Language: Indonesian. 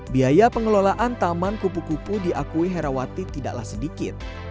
biaya pengelolaan taman kupu kupu diakui herawati tidaklah sedikit